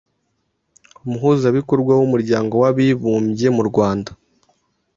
Umuhuzabikorwa w’Umuryango w’Abibumbye mu Rwanda,